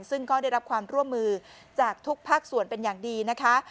ซึ่งก็ได้รับความร่วมมือจากทุกภาคส่วนเป็นอย่างดีนะคะ